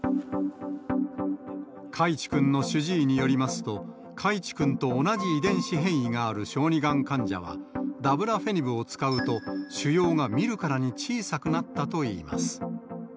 海智君の主治医によりますと、海智君と同じ遺伝子変異がある小児がん患者は、ダブラフェニブを使うと、腫瘍が見るからに小さくなったといいます。